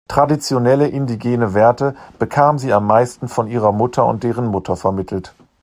Traditionelle indigene Werte bekam sie am meisten von ihrer Mutter und deren Mutter vermittelt.